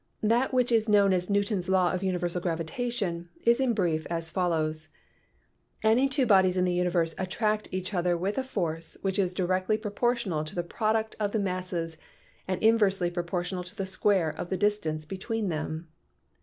That which is known as Newton's Law of Universal Gravitation is in brief as follows : Any two bodies in the universe attract each other with a force which is directly proportional to the product of the masses and inversely proportional to the square of the dis tance between them.